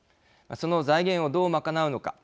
その財源をどう賄うのか。